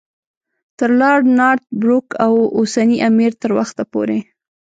تر لارډ نارت بروک او اوسني امیر تر وخته پورې.